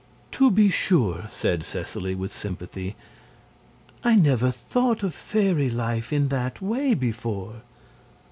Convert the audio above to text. "To be sure!" said Seseley, with sympathy. "I never thought of fairy life in that way before.